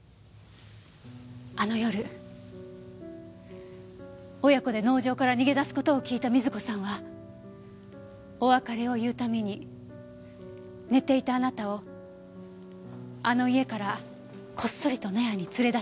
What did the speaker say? あの夜親子で農場から逃げ出す事を聞いた瑞子さんはお別れを言うために寝ていたあなたをあの家からこっそりと納屋に連れ出したの。